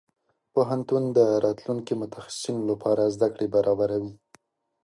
پوهنتون د راتلونکي متخصصينو لپاره زده کړې برابروي.